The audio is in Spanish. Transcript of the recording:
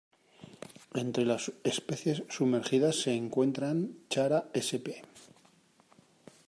Entre las especies sumergidas se encuentran "Chara sp.